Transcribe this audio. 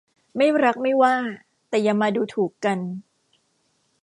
ไม่รักไม่ว่า แต่อย่ามาดูถูกกัน